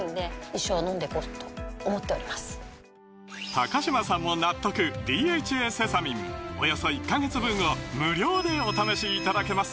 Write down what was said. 高嶋さんも納得「ＤＨＡセサミン」およそ１カ月分を無料でお試しいただけます